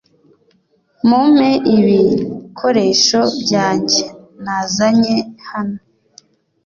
Mumpe ibi koresho byange nazanye hano